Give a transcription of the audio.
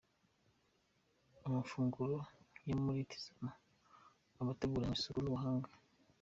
Amafunguro yo muri Tizama aba ateguranywe isuku n'ubuhanga.